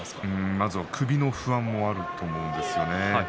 まず首への不安があると思うんですよね。